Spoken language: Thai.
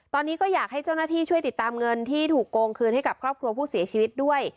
ตอนนี้ก็อยากให้เจ้าหน้าที่ช่วยติดตามเงินที่ถูกโกงคืนให้กับครอบครัวผู้เสียชีวิตด้วย